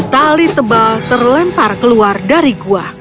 tali tebal terlempar keluar dari gua